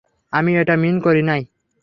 আমি এটা মিন করি নাই।